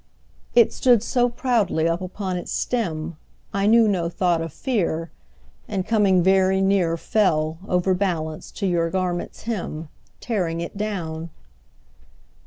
It stood so proudly up upon its stem, I knew no thought of fear, And coming very near Fell, overbalanced, to your garment's hem, Tearing it down.